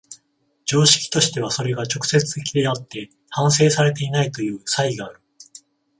常識としてはそれが直接的であって反省されていないという差異がある。